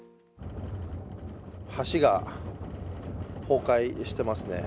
橋が崩壊していますね。